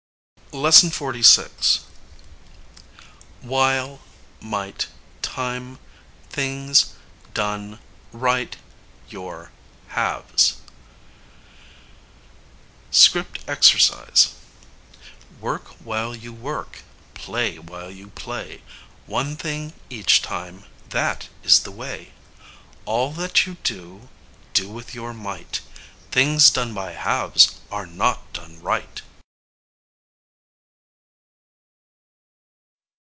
LESSON XLVI. while might time things done right your halves [Illustration: Script Exercise: Work while you work, Play while you play, One thing each time, That is the way. All that you do, Do with your might, Things done by halves, Are not done right.